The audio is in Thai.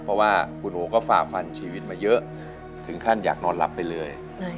เพราะว่าคุณโอก็ฝ่าฟันชีวิตมาเยอะถึงขั้นอยากนอนหลับไปเลย